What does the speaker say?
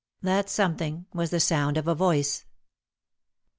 That something was the sound of a voice.